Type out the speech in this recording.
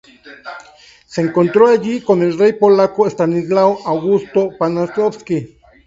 Se encontró allí con el rey polaco Estanislao Augusto Poniatowski.